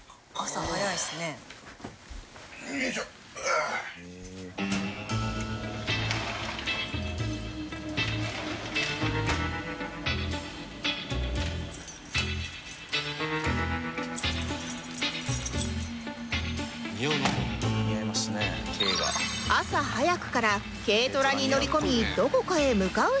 朝早くから軽トラに乗り込みどこかへ向かう ＨＩＲＯ さん